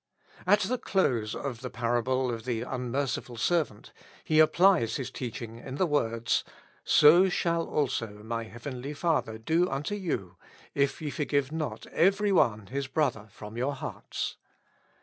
At the close of the parable of the unmerciful servant He applies His teaching in the words :" So shall also my Heavenly Father do unto you, if ye forgive not every one his brother from your hearts."